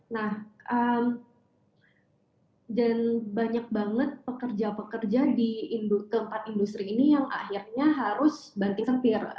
nah dan banyak banget pekerja pekerja di keempat industri ini yang akhirnya harus banting setir